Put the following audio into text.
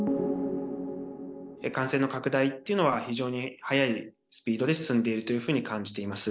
感染の拡大っていうのは、非常に速いスピードで進んでいるというふうに感じています。